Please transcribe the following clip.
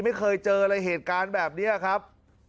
ไม่เคยเจออะไรเหตุการณ์แบบนี้ครับ